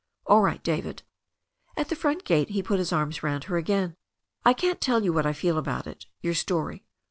"All right, David." At the front gate he put his arms round her again. "I can't tell you what T feel about it — ^your story.